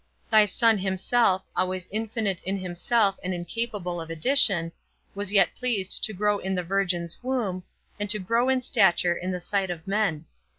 Thy Son himself, always infinite in himself, and incapable of addition, was yet pleased to grow in the Virgin's womb, and to grow in stature in the sight of men.